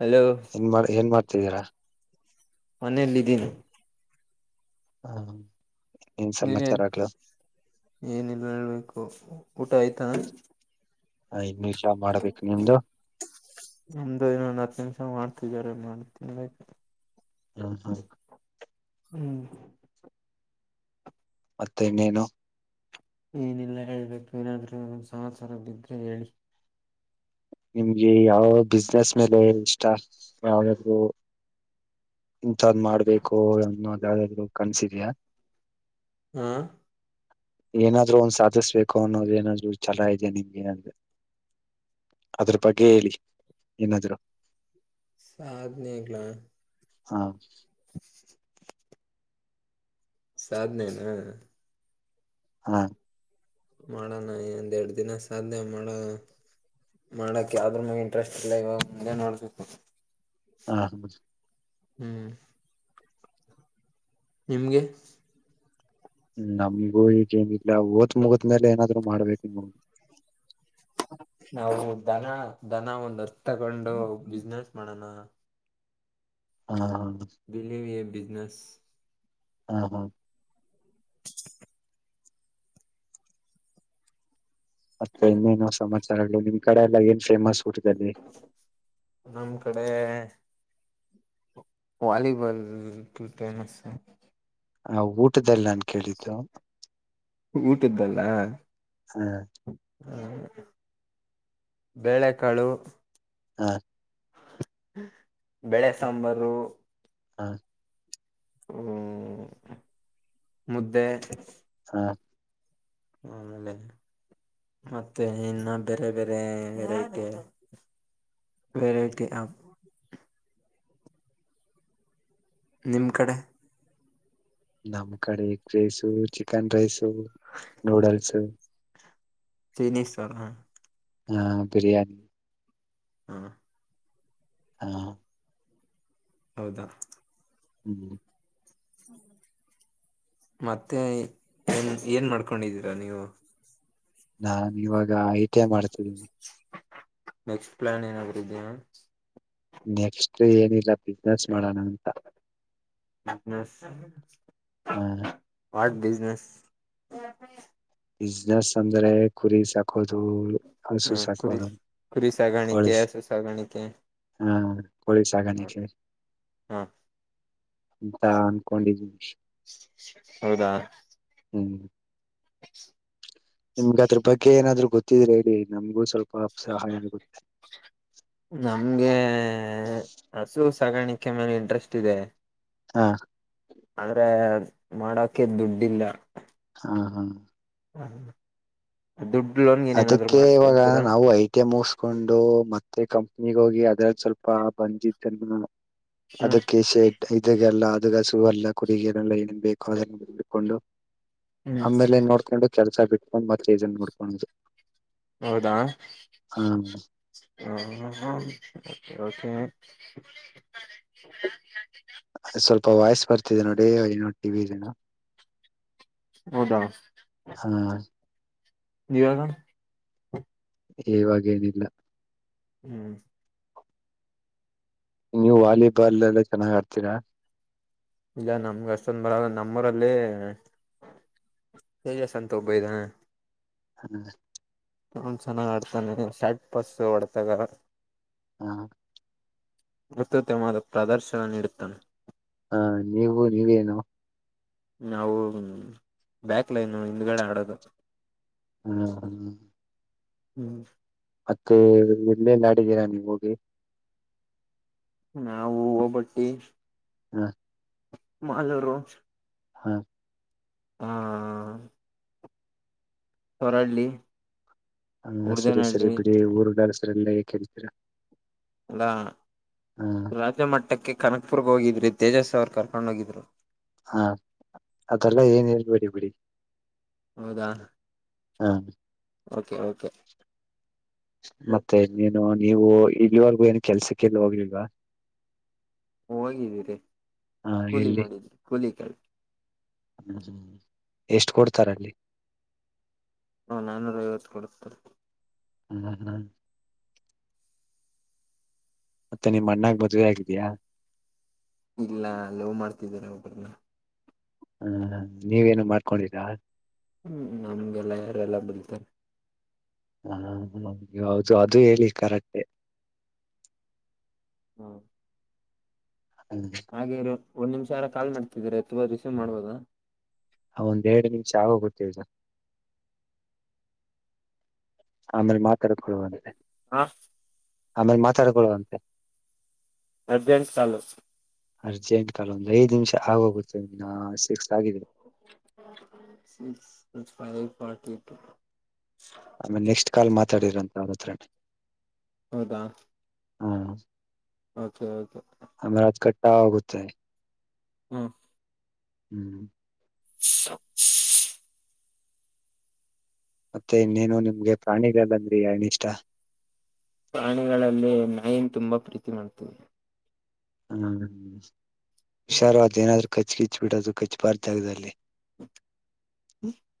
hello ಏನ್ ಮಾಡ ಏನ್ ಮಾಡ್ ೀರಾ ಮನೇೆಯಲ್ಲಿ ಇದಿದ್ದೀನ ಹಾ ನೀನ್ ಏನಲ್ ಹೇಳ್ಬೇಕು ಉಟಾಯತಾ ಆಯ್ತು ನಿಮ್ಧು ಇನ್ನೊಂದು ಹತ್ತು ನಿಮಿಷ ಮಾಡ್ತ ಹಗಾರ ಮಾಡ್ ತಿನ್ಬೇಕ ಹಾ ಹಾ ಹ್ಮ್ ಮತ್ತೆ ಇನ್ನೇನು ಏನಿಲ್ಲ ಹೇಳ್ಬೇಕು ಏನಾದ್ರೂ ಒಂದ್ ಸಸರ ಬಿದ್ರೆ ಹೇಳಿ ನಿಮಗೆ ಯಾವ ಬಿಸ್ನೆಸ್ ಮೇಲೆ ಇ ಇಂಂತದಾದ್ ಮಾಡ್ಬೇಕು ಅನ್ನೋದ ಯಾವಾದ್ರು ಕನ್ಸರಿಿಯಾ ಹಾ ಏನಾದ್ರು ಒಂದ್ ಸಾಧಿಸ್ಬೇಕು ಅನ್ನೋದ ಏನಾದ್ರು ಛಲ ಇದೆ ನಿಮ್ಗೆ ಏನಾದ್ರೆ ಅದ್ರ ಬಗ್ಗೆ ಹೇಳಿ ಏನಾದ್ರುೂ ಸಾಧನಗ್ಲಾ ಹಾ ಸಾಧನೆನಾ ಹಾ ಮಾಡೋಣ ಇಂದೆರಡ್ ದಿನ ಸಾಧ್ಯ ಮಾಡ ಮಾಡಕ್ ಯಾವ್ರ ಮ ಇಂಟ್ರೆಸ್ಟ್ ಇಲ್ಲ ಇವಾಗ ಮುಂದೆ ನೋಡ್ಬೇಕು ಹಾ ಹ ಹ್ಮ್ ನಿಮಗೆ ಹ್ಮ್ ನಮ್ಗೂ [unintelligible] ಓತ್ ಮುಗ್ದ್ಮೇಲೆ ಏನಾದ್ರು ಮಾಡ್ಬೇಕು ನೋ ನಾವು ದನ ದನ ಒಂದ್ ಹತ್ ತಗೊಂಡು ಬಿಸ್ನೆಸ್ ಮಾಡಣ ಹ್ಮ ಹ ಬಿಲೀವ್ ಎ ಬಿಸ್ನೆಸ್ ಹಾ ಹಾ ಮತ್ತೆ ಇನ್ನೇನು ಸಮಾಚಾರ್ಗಳು ನಿಮ್ ಕಡೆ ಎಲ್ಲಾ ಏನ್ ಫೇಮಸ್ ಊಟದಲ್ಲಿ ನಮ್ ಕಡೆ ವಾಲಿಬಾಲ್ ಫುಲ್ ಫೇಮಸ್ ಆ ಊಟದಲ್ ನಾನ್ ಕೇಳಿದ್ದು ಊಟ್ದಲ್ಲ ಹ್ಮ್ ಹ್ಮ ಬೇಳೆಕಾಳು ಹಾ ಬೇಳೆ ಸಾಂಬಾರು ಹಾ ಹ್ಮ ಮುದ್ದೆ ಹಾ ಆಮೇಲೆ ಮತ್ತೆ ಇನ್ನ ಬೇರೆ ಬೇರೆ ವೆರೈಟಿ ವೆರೈಟಿ ಹಾ ನಿಮ್ ಕಡೆ ನಮ್ಮ್ ಕಡೆ egg rice, chicken rice noodles Chinese ಅವ್ರ ಹಾ ಬಿರಿಯಾನಿ ಹಾ ಹಾ ಹೌದಾ ಹ್ಮ್ ಮತ್ತೆ ಏನ್ ಏನ್ ಮಾಡ್ಕೊಂಡಿದ್ದೀರಾ ನೀವು ನಾನ್ ಇವಾಗ ಐ ಟಿ ಐ ಮಾಡ್ತಿದ್ದೀನಿ ನೆಕ್ಸ್ಟ್ ಪ್ಲಾನ್ ಏನಾದ್ರು ಇದಿಯಾ ನೆಕ್ಸ್ಟ್ ಏನಿಲ್ಲ ಬಿಸ್ನೆಸ್ ಮಾಡೋಣ ಅಂತ [inaudible] ಹ ವಾಟ್ ಬಿಸ್ ನಸ್ [unintelligible] ಬಿಸ್ನೆಸ್ ಅಂದ್ರೆ ಕುರಿ ಸಾಕು ಕೊದು ಹಸು ಹ್ಮ ಕುರಿ ಸಾಕೋದು, ಕುರಿ ಕೋಳಿ ಸಾಗಾಣಿಕೆ ಹಸು ಸಾಗಾಣಿಕೆ ಹಾ ಕೋಳಿ ಸಾಕಾಣಿಕೆ ಹ ಅಂತ ಅನ್ಕೊಂಡಿದ್ದೀವಿ ಹೌದಾ ಹ್ಮ್ [inaudible] ನಿಮ್ಗ್ ಅದ್ರು ಬಗ್ಗೆ ಏನಾದ್ರು- ಗೊತ್ತಿದ್ರೆ ಹೇಳಿ ನಮ್ಗೂ ಸ್ವಲ್ಪ ಸಹಾಯ ಆಗುತ್ತೆ ನಮ್ಗೆ ಹೇ ಹಸು [unintelligible] ಸಾಗಾಣಿಕೆ ಮೇಲೆ ಇಂಟ್ರೆಸ್ಟ್ ಇದೆ ಹಾ ಆದ್ರೆ ಮಾಡೋಕೆ ದುಡ್ಡಿಲ್ಲ ಹಾ ಹಾ ಹಾ ದುಡ್ಡು ಲೋನ್ಗೆ ಏನೇನಾದ್ರು ಅದಕ್ಕೆ ಇವಾಗ ಮಾಡಸ್ಕೊಡ್ತೀರಾ ನಾವು ಐ ಟಿ ಎ ಮುಗ್ಸ್ ಕೊಂಡು ಮತ್ತೆ ಕಂಪನಿಗೆ ಹೋಗಿ ಅದ್ರಲ್ಲಿ ಸ್ವಲ್ಪ ಬಂದಿದ್ದನ್ನ ಹ್ಮ್ ಅದಕ್ಕೆ ಶೆಟ್ ಇದಾಗಲ್ಲ ಅದು ಹಸು ಅಲ್ಲ ಕುರಿ ಅಲ್ಲ ಏನನ್ ಬೇಕು ಅದನ್ನು ಹುಡ್ಕೊಂಡು ಹ್ಮ್ ಆಮೇಲೆ ನೋಡ್ಕೊಂಡು ಕೆಲ್ಸ ಬಿಟ್ಟು ಒಂದ್ ಮತ್ತೆ ಇದನ್ ನೋಡ್ಕೊಂಡದು ಹೌದಾ ಹ [inaudible] ಅ ಸ್ವಲ್ಪ ವಾಯ್ಸ್ ಬರ್ತಿದೆ ನೋಡಿ ಏನೋ ಟಿವಿಲೆನೊ ಹೌದಾ ಇವಾಗ ಇವಾಗೇನಿಲ್ಲ ಹ್ಮ್ ನೀವು ವಾಲಿಬಾಲ್ ಎಲ್ಲಾ ಚೆನ್ನಾಗ್ ಆಡ್ತೀರಾ ಇಲ್ಲ ನಮ್ಗ ಅಷ್ಟೊಂದ ಬರಲ್ಲಾ ನಮ್ಮರಲ್ಲಿ ತೇಜಸ್ ಅಂತ ಒಬ್ಬ ಇದಾನೆ ಹ್ಮ ಅವನ್ ಚೆನಾಗ ಆಡ್ತಾನಿ ಶರ್ಟ್ ಪಸ್ ಹೊಡತಾಗ ಹಾ ಅತ್ತುತಮವಾದ ಪ್ರದರ್ಶನ ನೀಡುತ್ತಾನೆ ಹಾ ನೀವು ನೀವೇನು ನಾವು ಬ್ಯಾಕ್ ಲೈನ್ ಹಿಂದ್ಗಡೆ ಆಡೋದು ಹ್ಮ ಹ್ಮ ಹ್ಮ್ ಮತ್ತೆ ಇನ್ನೇನ್ ಆಡಿದ್ದೀರಾ ನೀವು ಅಲ್ಲಿ ನಾವು ಒಬಟ್ಟಿ ಹಾ ಮಾಲೂರು ಹಾ ಹ್ಮ್ ಹೊರಳ್ಳಿ ಹಾ ಸರಿ ಸರಿ ಉಡ್ದನಹಳ್ಳಿ ಬಿಡಿ ಊರುಡ ಲ್ಲ ಯಾಕೇಳ್ತೀರಾ ಅಲ್ಲಾ ರಾಜ ಮಟ್ಟಕ್ಕೆ ಕನಕ್ಪುರ್ ಹೋಗಿದ್ರಿ ತೇಜಸ್ ಅವ್ರು ಕರ್ಕೊಂಡ ಹೊಗಿದ್ರು ಹಾ ಅದೆಲ್ಲ ಏನ್ ಹೇಳ್ಬೇಡಿ ಬಿಡಿ ಹೌದಾ ಹಾ ಓಕೆ ಓಕೆ ಮತ್ತೆ ನೀನು ನೀವು ಇಲ್ಲಿವರೆಗೂ ಏನು ಕೆಲ್ಸಕ್ಕೆಲ್ಲ ಹೋಗ್ಲಿಲ್ವಾ ಹೋಗಿದ್ದೀರಿ ಹ ಕೂಲಿ ಎಲ್ಲಿ ಮಾಡಿದ ಕೂಲಿ ಕಲ್ ಎಷ್ಟು ಕೊಡ್ತಾರಲ್ಲಿ ಹ ನಾನೂರ ಐವತ್ತು ಕೊಡ್ತಾರೆ ಹ್ಮ ಹ್ಮ ಮತ್ತೆ ನಿಮ್ ಅಣ್ಣಾಗ ಮದವೆ ಆಗಿದಯಾ ಇಲ್ಲ ಲವ್ ಮಾಡ್ತಿದ್ದಿದ್ದಾರೆ ಒಬ್ರನ್ನ ಹಾ ನೀವೇನು ಮಾಡ್ಕೊಂಡೀರಾ [unintelligible] ಹ್ಮ್ ನಮ್ಗೆಲ್ಲ ಯಾರೆಲ್ಲ ಬಳ್ತಾರೆ ಹಾ ನಗೆ ಹೌದು ಅದು ಹೇಳಿ ಕರೆಕ್ಟೆ ಹಾ ಹ್ಮ್ ಹಾಗೆ ಇರಿ ಒಂದ್ ನಿಮಿಷಾರ ಕಾಲ್ ಮಾಡ್ತಿದ್ರಾ ಹೇತಬೋ [unintelligible] ರಿಸೀವ್ ಮಾಡಬೋದ ಹ ಒಂದ್ ಎರಡು ನಿಮಿಷ ಆಗೋಗುತ್ತೆ ಇದು ಆಮೇಲೆ ಮಾತಾಡ ಕೊಡು [unintelligible] ಹಾ ಆಮೇಲೆ ಮಾತಾಡಕುನ್ನುವಂತೆ [unintelligible] ಅರ್ಜೆಂಟ್ ಕಾಲ್ ಅರ್ಜೆಂಟ್ ಕಾಲ ಒಂದ್ ಐದು ನಿಮಿಷ ಆಗೋಗುತ್ತೆ ಇನ್ನ ಸಿಕ್ಸ್ ಆಗಿದೆ [unintelligible] ಫೈವ್ ಫಾರ್ಟಿ [unintelligible] ಆಮೇಲೆ ನೆಕ್ಸ್ಟ್ ಕಾಲ್ ಮಾತಾಡಿರಂತ ಅವ್ರತ್ತರ ಹೌದಾ ಹ ಓಕೆ ಓಕೆ ಆಗೋಗುತ್ತೆ [unintelligible] ಹ್ಮ ಹ್ಮ್ [unintelligible] ಮತ್ತೆ ಇನ್ನೇನು ನಿಮ್ಗೆ ಪ್ರಾಣಿಗಳ [unintelligible] ಬಂದ್ರ ಏನಿಷ್ಟ ಪ್ರಾಣಿಗಳಲ್ಲಿ ನಾಯಿನ ತುಂಬಾ ಪ್ರೀತಿ ಮಾಡ್ತವಿ ಹ್ಮ ಹುಷಾರು ಅದ್ ಏನಾದ್ರು ಕಚ್ ಗಿಚ್ಚ್ ಬಿಡೋದು ಕಚ್ಬರ್ದ್ [unintelligible] ಜಾಗದಲ್ಲಿ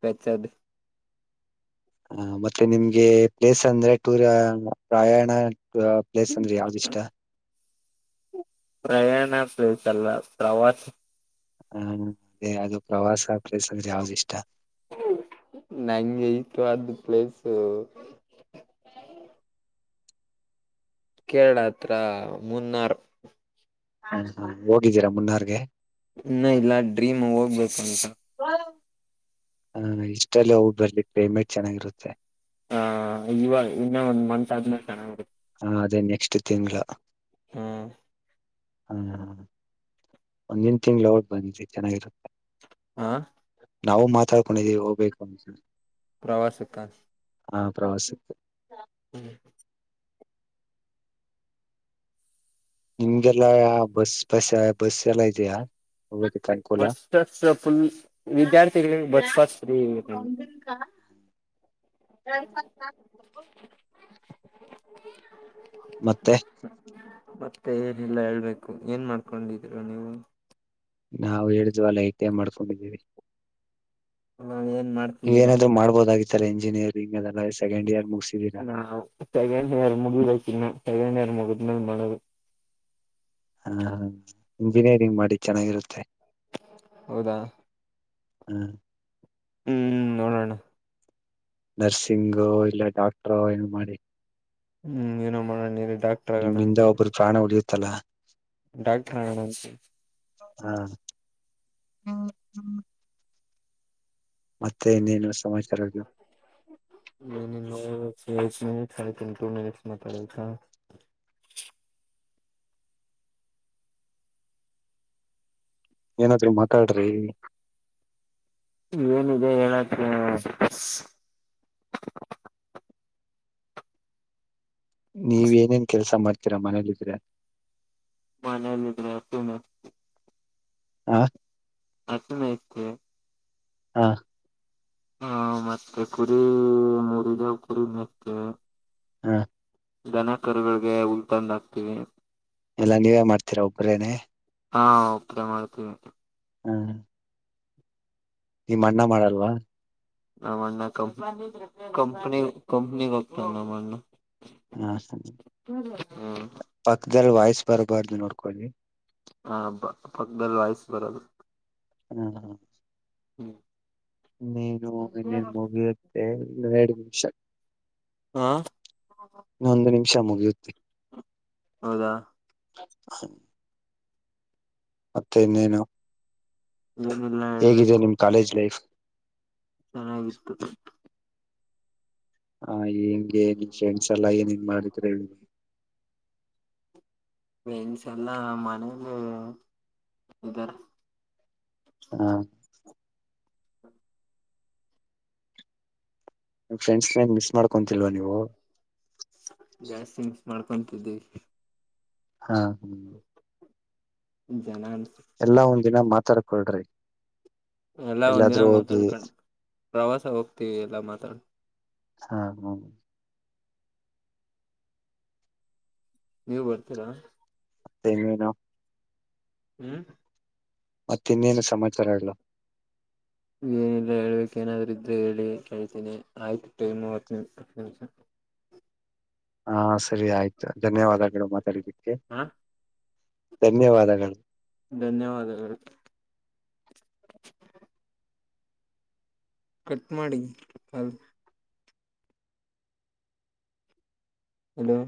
ಕಚ್ಚದು ಹ ಮತ್ತೆ ನಿಮ್ಗೆ ಪ್ಲೇಸ್ ಅಂದ್ರೆ ಟೂರ್ [unintelligible] ಪ್ರಯಾಣ ಪ್ಲೇಸ್ ಅಂದ್ರೆ ಯಾವ್ದ್ ಇಷ್ಟ ಪ್ರಯಾಣ ಪ್ಲೇಸ್ ಅಲ್ಲ [unintelligible] ಹಾ ಅದೇ ಅದು ಪ್ರವಾಸ ಪ್ಲೇಸ್ ಅಂದ್ರೆ ಯಾವ್ದ ಇಷ್ಟ ನಂಗೆ ಇಷ್ಟವದ್ [unintelligible] ಪ್ಲೇಸು ಕೇರಳ ಅತ್ತ್ರ ಮುನ್ನಾರು ಹ ಹಾ ಹೋಗಿದ್ದೀರಾ ಮುನ್ನಾರ್ಗೆ ಇನ್ನ ಇಲ್ಲ ಡ್ರೀಮ್ ಹಾಗ್ಬೇಕುಂತ ಹ ಇಷ್ಟಲ್ಲ ಹೋಗ ಬರ್ಲಿ ಕ್ಲೈಮೇಟ್ ಚೆನ್ನಾಗಿರುತ್ತೆ ಆ ಹ ಹ ಅದೇ ನೆಕ್ಸ್ಟ್ ತಿಂಗಳ ಹ್ಮ್ ಹಾ ಒಂದಿನ ತಿಂಗ್ಳ ೋಟ್ ಬಂದಿ ಚೆನ್ನಾಗಿರುತ್ತೆ ಹಾ ನಾವು ಮಾತಾಡ್ಕೊಂಡಿದೀವಿ ಹೋಗ್ಬೇಕು ಅಂದಸ ಪ್ರವಾಸಕ್ಕ ಆ ಪ್ರವಾಸಕ್ಕೆ ಊಂ ನಿಮ್ಗೆಲ್ಲಾ ಬಸ್ ಪಸ್ ಬಸ್ ಎಲ್ಲಾ ಇದೆಯಾ ಹೋಗೋದಕ್ಕೆ ಅನುಕೂಲ ಬಸ್ ಸ್ಟಾಪ್ ಫುಲ್ ವಿದ್ಯಾರ್ಥಿಗಳಿಗೆ ಬಸಪಾಸ್ ಫ್ರೀ ಇದೆ ಅಂ ಎ ಹ... ಮತ್ತೆ... ಮತ್ತೆ ಏನಿಲ್ಲ ಹೇಳ್ಬೇಕು ಏನ್ ಮಾಡ್ಕೊಂಡಿದೀರ ನೀವು ನಾವು ಹೇಳಿದ್ವಲ್ಲ ಐ ಟಿ ಐ ಮಾಡ್ಕೊಂಡಿದ್ದೀವಿ ಏನ್ ಮಾಡ್ತಿದೀರ ಕ್ಲಿಯರ್ ಆದ್ರೂ ಮಾಡ್ಬೋದ ಈ ಥರ ಇಂಜಿನಿಯರಿಂಗ್ ಅದೆಲ್ಲ ಸೆಕಂಡ್ ಇಯರ್ ಮುಗಿದ ಆ ಮತ್ತೆ ಎನ್ ಹೇಳಿ ಮುಗಬೇಕ ಇನ್ನು ಫೈನಲ್ ಹಿಯರ್ ಮುಗಿದ್ಮೇಲೆ ಮಾಡೋದು ಹಾ... ಇಂಜಿನಿಯರಿಂಗ್ ಮಾಡಿ ಚೆನ್ನಾಗಿರುತ್ತೆ ಹೌದಾ... ಊಂ ಊಂ ನೋಡೋಣ ನರ್ಸಿಂಗು ಇಲ್ಲ ಡಾಕ್ಟ್ರ ಏನ್ ಮಾಡಿ ಊಂ ಏನೋ ಮಾಡೋಣ ನೀ ನಿಮ್ಮಿಂದ ಒಬ್ಬರು ಪ್ರಾಣ ಉಳಿಯುತ್ತೆ ಅಲ ಡಾಕ್ಟರ್ ಅಗನ ಅಂತ ಹಾ.... ಮತ್ತೆ ಇನ್ನೇನು ಸಮಾಚಾರಗಳು ನೀನಿನ್ನು ಸೆವೆನ್ ಮಿನಿಟ್ ಕಳೆತು ಇನ್ನೂ ಟು ಮಿನಿಟ್ಸ್ ಮಾತಡ ಏನಾದ್ರೂ ಮಾತಾಡ್ರಿ ಏನಿದೆ ಹೇಳಕ್ಕೆ ನೀವ್ ಏನೇನ್ ಕೆಲ್ಸ ಮಾಡ್ ಡ್ತೀರಾ ಮನೇಲಿ ಇದ್ರೆ ಮನೇಲಿ ಇದ್ರೆ ಅತಿನಿ ಹ.. ಆಸೀನ ಇಚೆ ಹಾ... ಹಾ... ಮತ್ತೆ ಕುರಿ ಮೂರು ಇದಾವೆ ಕುರಿ ಮೇಕೆ ಆ... ದನ ಕರುಗಳಗೆ ಹುಲ್ಲೂ ತಂದು ಅಕ್ತಿವಿ ಎಲ್ಲಾ ನೀವೇ ಮಾಡ್ತೀರಾ ಒಬರೇನೆೇ ಹಾ ಒಬ್ನೇ ಮಾಡ್ತೀವಿ ಊಂ... ನೀಮ ಅಣ್ಣ ಮಾಡಲ್ವಾ ನಮಣ್ಣ ಕಂ ಕಂಪ ಕಂಪನಿ ಹೋಗುತ್ತಾನೆ ನಮ್ ಅಣ್ಣ ಹ.... ಸರಿ ಹ... ಪಕ್ಕದಲ್ಲಿ ವಾಯ್ಸ್ ಬರಬಾರದು ನೋಡ್ಕೊಳ್ಳಿ ಹ ಪ ಪಕ್ಕದಲ್ಲಿ ವಯಸ್ ಬರೋದು ಹ್ಮ ಹ ಹ್ಮ ನೀನು ಇನ್ನೇನ್ ಮುಗಿಯುತ್ತೆ ರೆಡಿ ಶಕ್ ಹಾ [inaudible] ವಿಷ ಮುಗಿಯುತ್ತೆ [inaudible] ಹೌದಾ [unintelligible] ಮತ್ತೆ ಇನ್ನೇನು ಏನೆಲ್ಲಾ ಹೇಗಿದೆ ಹೇಳ್ಬೇಕು ನಿಮ್ ಕಾಲೇಜ್ ಲೈಫ್ ಚೆನ್ನಾಗಿತ್ತು ಹಾ ಹೆಂಗೆ ನಿನ್ ಫ್ರೆಂಡ್ಸ್ ಎಲ್ಲಾ ಏನ್ ಏನ್ ಮಾಡಿದ್ರ ಹೇಳಿ ಮೆನ್ಸ ಎಲ್ಲಾ ಮನೇಲಿ ಇದಾರೆ ಹಾ ನಿಮ್ ಫ್ರೆಂಡ್ಸ್ ಮಿಸ್ ಮಾಡ್ಕೊತಿಲ್ವಾ ನೀವು ಮಾಡ್ಕೊತಿದ್ದೀವಿ ಹಾ ಹ್ಮ್ [inaudible] ಜನನ್ ಎಲ್ಲಾ ಒಂದಿನ ಮಾತಾಡ್ಕೊಳ್ರಿ ಎಲ್ಲಾ ಒಂದಿನ ಎಲ್ಲಾದ್ರೂ ಹೋಗಿ ಮಾತಾಡ್ಕಂಡ ಪ್ರವಾಸ ಹೋಗ್ತಿವಿ ಎಲ್ಲಾ ಮಾತಾಡ್ ಹಾ ಹ ನೀವು ಬರ್ತೀರಾ ಮತ್ತೇ ಇನ್ನೇನು ಹ್ಮ ಮತ್ತ ಇನ್ನೇನು ಸಮಾಚಾರ ಎಲ್ಲ ನೀ ಏನಿಲ್ಲ ಹೇಳಳ್ಬೇಕೇನಾದರೂ ಇದ್ದ್ರ ಹೇಳಿ ಕೆಳ್ತೀನಿ ಆಯ್ತ ಟೈಮ್ ಮೂವತ್ತು ನಿಮಿಷ [unintelligible] ಹಾ ಸರಿ ಆಯ್ತು ಧನ್ಯವಾದಗಳು ಮಾತಾಡಿದವಿ ಹಾ ಧನ್ಯವಾದಗಳು ಧನ್ಯವಾದಗಳು ಕಟ್ ಮಾಡಿ ಕಾಲ್ ಹಲೋ